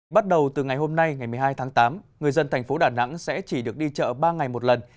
bắt đầu từ ngày hôm nay ngày một mươi hai tháng tám người dân thành phố đà nẵng sẽ chỉ được đi chợ ba ngày một lần